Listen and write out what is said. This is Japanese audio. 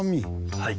はい。